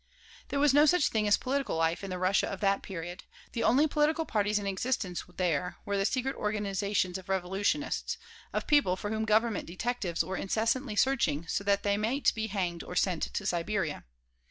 There was no such thing as political life in the Russia of that period. The only political parties in existence there were the secret organizations of revolutionists, of people for whom government detectives were incessantly searching so that they might be hanged or sent to Siberia.